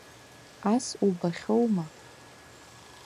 Ас убахьоума?!